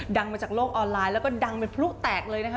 ดังมาจากโลกออนไลน์แล้วก็ดังเป็นพลุแตกเลยนะคะ